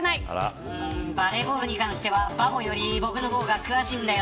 バレーボールに関してはバボより僕のが詳しいんだよ。